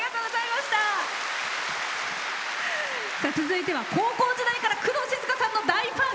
続いては高校時代から工藤静香さんの大ファン。